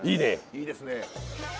いいですね。